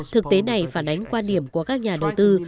thực tế này phản ánh quan điểm của các nhà đầu tư